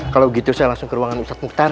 begitu saya langsung ke ruangan ustadz muqtar